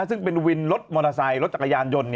ซึ่งเป็นวินรถมอเตอร์ไซค์รถจักรยานยนต์